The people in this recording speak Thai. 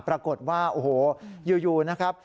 ปรากฏว่าโอ้โหอยู่นะครับ